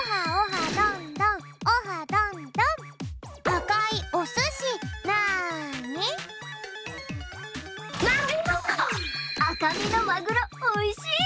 あかみのまぐろおいしい！